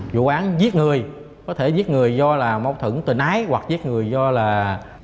vụ án giết người có thể giết người do mâu thuẫn tình ái hoặc giết người do khúc tài sản